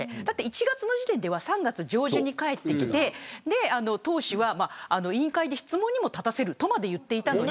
１月の時点では３月上旬に帰って党首は委員会で質問に立たせるとも言っていたのに。